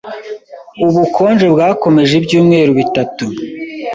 Ubukonje bwakomeje ibyumweru bitatu.